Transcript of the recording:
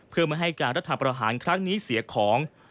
เพื่อไม่ให้การรัฐประหารครั้งนี้เสียของ